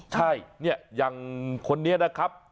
ใช่อย่างคนนี้นะครับ